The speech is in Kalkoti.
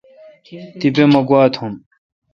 تی پہ مہ گواؙ تھم۔